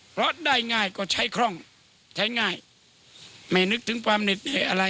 เพราะได้ง่ายก็ใช้คล่องใช้ง่ายไม่นึกถึงความเหน็ดเหนื่อยอะไร